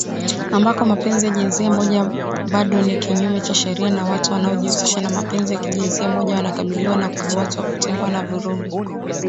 Ambako mapenzi ya jinsia moja bado ni kinyume cha sheria na watu wanaojihusisha na mapenzi ya jinsia moja wanakabiliwa na kukamatwa, kutengwa na vurugu.